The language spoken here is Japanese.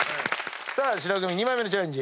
さあ白組２枚目のチャレンジ。